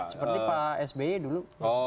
seperti pak sby dulu